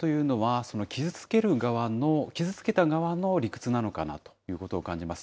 やっぱり知らなかったというのは、傷つける側の、傷つけた側の理屈なのかなということを感じます。